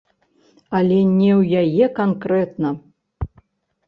Але не ў яе канкрэтна.